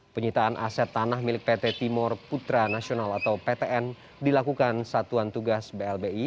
penyitaan aset tanah milik pt timur putra nasional atau ptn dilakukan satuan tugas blbi